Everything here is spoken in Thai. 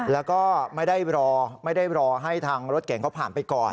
แล้วก็ไม่ได้รอไม่ได้รอให้ทางรถเก่งเขาผ่านไปก่อน